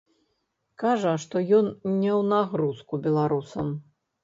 Кажа, што ён не ў нагрузку беларусам.